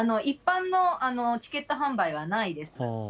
一般のチケット販売はないです。